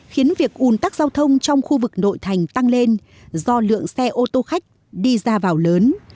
khiến việc ủn tắc giao thông trong khu vực nội thành tăng lên do lượng xe ô tô khách đi ra vào lớn